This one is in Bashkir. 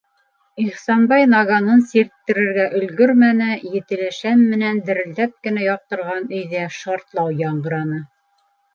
- Ихсанбай наганын сирттерергә өлгөрмәне, етеле шәм менән дерелдәп кенә яҡтырған өйҙә шартлау яңғыраны.